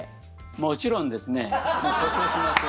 もちろんですね。